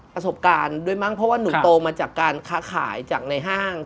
ประสบการณ์ด้วยมั้งเพราะว่าหนูโตมาจากการค้าขายจากในห้าง